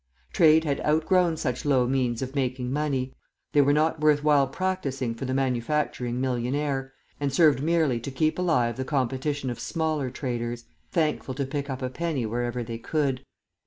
Trade had outgrown such low means of making money; they were not worth while practising for the manufacturing millionaire, and served merely to keep alive the competition of smaller traders, thankful to pick up a penny wherever they could.